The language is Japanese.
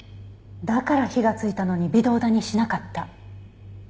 だから火がついたのに微動だにしなかった。